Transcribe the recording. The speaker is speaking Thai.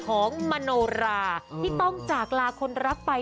มโนราที่ต้องจากลาคนรักไป